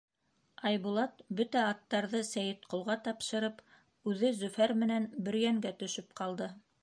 Айбулат, бөтә аттарҙы Сәйетҡолға тапшырып, үҙе Зөфәр менән Бөрйәнгә төшөп ҡалды.